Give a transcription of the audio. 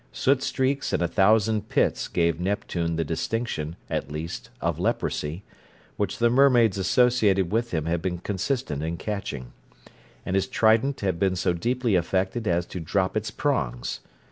Soot streaks and a thousand pits gave Neptune the distinction, at least, of leprosy, which the mermaids associated with him had been consistent in catching; and his trident had been so deeply affected as to drop its prongs.